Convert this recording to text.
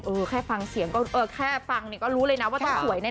เออแค่ฟังเสียงก็รู้เลยนะว่าต้องสวยแน่